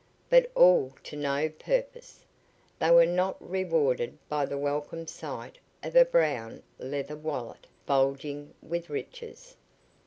But all to no purpose. They were not rewarded by the welcome sight of a brown leather wallet, bulging with riches.